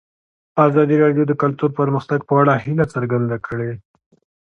ازادي راډیو د کلتور د پرمختګ په اړه هیله څرګنده کړې.